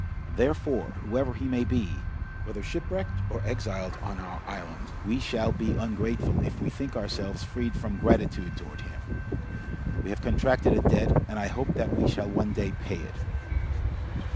Therefore, whoever he may be, whether shipwrecked, or exiled on our island, we shall be ungrateful, if we think ourselves freed from gratitude towards him. We have contracted a debt, and I hope that we shall one day pay it."